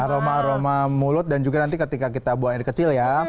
aroma aroma mulut dan juga nanti ketika kita buang air kecil ya